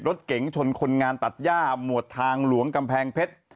รถเก๋งชนคนงานตัดย่าหมวดทางหลวงกำแพงเพชร